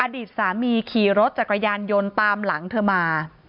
อดีตสามีขี่รถจักรยานยนต์ตามหลังเธอมา